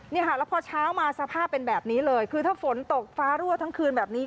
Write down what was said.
นี่ค่ะแล้วพอเช้ามาสภาพเป็นแบบนี้เลยคือถ้าฝนตกฟ้ารั่วทั้งคืนแบบนี้